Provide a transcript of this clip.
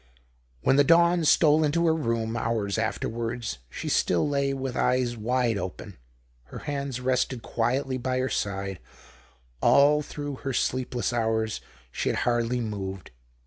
When the dawn stole into her room, hours afterwards, she still lay with eyes wide open. Her hands rested quietly by her side ; all through her sleepless hours she had hardly moved.